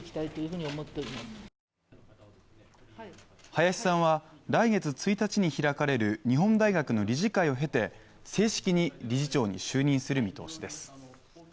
林さんは来月１日に開かれる日本大学の理事会を経て正式に理事長に就任する見通しです。